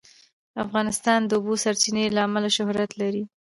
افغانستان د د اوبو سرچینې له امله شهرت لري.